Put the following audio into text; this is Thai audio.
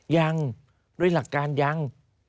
ยังด้วยหลักการยัง